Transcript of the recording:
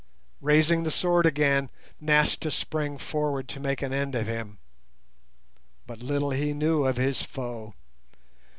Raising the sword again, Nasta sprang forward to make an end of him, but little he knew his foe.